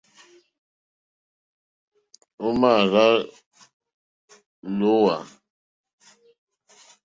Ò mà àrzá lǒhwà.